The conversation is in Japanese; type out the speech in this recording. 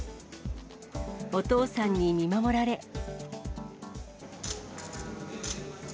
お父さんに見守られ。